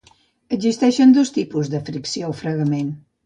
Existeixen dos tipus de fricció o fregament.